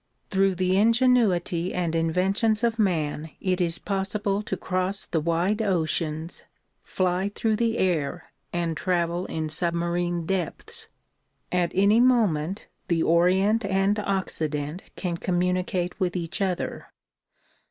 Through the ingenuity and inventions of man it is possible to cross the wide oceans, fly through the air and travel in submarine depths. At any moment the Orient and Occident can communicate with each other.